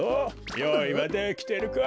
よういはできてるか？